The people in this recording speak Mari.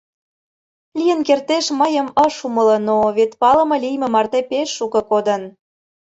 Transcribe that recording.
— Лийын кертеш, мыйым ыш умыло... но вет палыме лийме марте пеш шуко кодын.